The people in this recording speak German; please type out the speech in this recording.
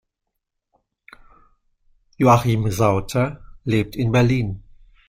Joachim Sauter lebt in Berlin.